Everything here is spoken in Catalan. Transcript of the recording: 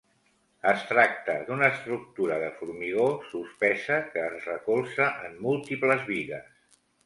Es tracta d'una estructura de formigó suspesa que es recolza en múltiples bigues.